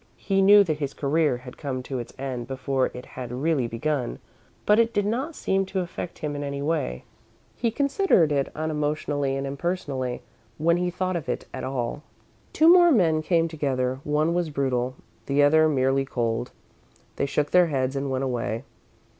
He knew that his career had come to its end before it had really begun, but it did not seem to affect him in any way. He considered it unemotionally and impersonally, when he thought of it at all. Two more men came together. One was brutal, the other merely cold. They shook their heads and went away.